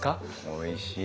おいしい。